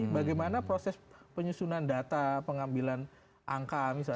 karena proses penyusunan data pengambilan angka misalnya